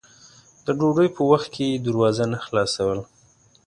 د ډوډۍ په وخت کې به یې دروازه نه خلاصوله.